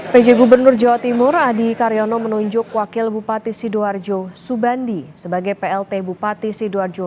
pj gubernur jawa timur adi karyono menunjuk wakil bupati sidoarjo subandi sebagai plt bupati sidoarjo